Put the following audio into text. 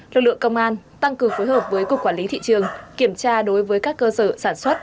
lực lượng công an tăng cường phối hợp với cục quản lý thị trường kiểm tra đối với các cơ sở sản xuất